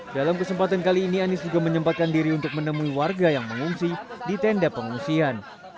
dalam kesempatan kali ini anies juga menyempatkan diri untuk menemui warga yang mengungsi di tenda pengungsian